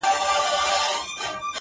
ما درته نه ويل په ما باندې باور نه کوي-